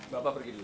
bapak pergi dulu ya